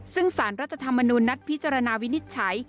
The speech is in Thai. ซึ่งสารรัฐธรรมนูญนัดพิจารณาวินิจฉัย